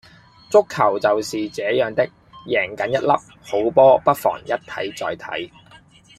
足球就是這樣的,贏梗一凹,好波不妨一睇再睇